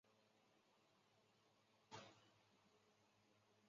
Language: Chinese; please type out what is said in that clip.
瑙西卡的国王阿尔喀诺俄斯的女儿。